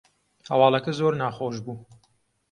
هەواڵەکە زۆر ناخۆش بوو